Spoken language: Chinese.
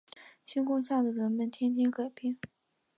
星空下的人们天天改变